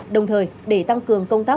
đồng thời để tăng cường công tác